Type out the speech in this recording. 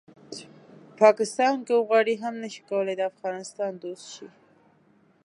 پاکستان که وغواړي هم نه شي کولی د افغانستان دوست شي